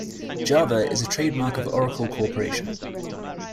"Java" is a trademark of Oracle Corporation.